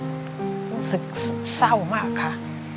รู้สึกเศร้ามากค่ะ